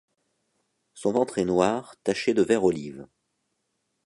Son ventre est noir taché de vert olive.